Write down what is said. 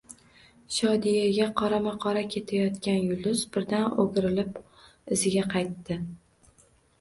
Shodiyaga qorama-qora ketayotgan Yulduz birdan o`girilib iziga qaytdi